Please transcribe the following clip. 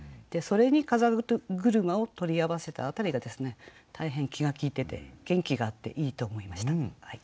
それに「風車」を取り合わせた辺りが大変気が利いてて元気があっていいと思いました。